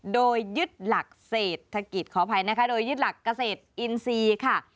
โดยยึดหลักเศรษฐกิจขออภัยนะคะโดยยึดหลักเกษตรอินทรีย์ค่ะ